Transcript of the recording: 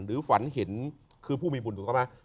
หรือฝันเห็นคือผู้มีบุญผมเข้ามา